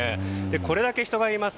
これだけ人がいます。